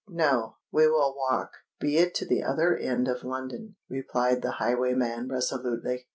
"No—we will walk, be it to the other end of London," replied the highwayman resolutely.